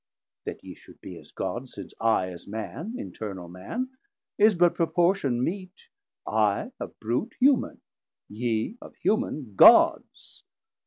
That ye should be as Gods, since I as Man, 710 Internal Man, is but proportion meet, I of brute human, yee of human Gods.